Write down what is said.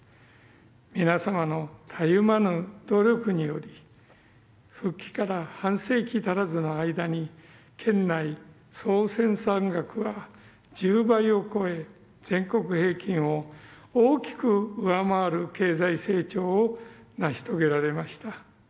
皆様のたゆまぬ努力により復帰から半世紀足らずの間に県内総生産額は１０倍を超え全国平均を大きく上回る経済成長を成し遂げられました。